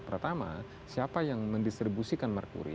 pertama siapa yang mendistribusikan merkuri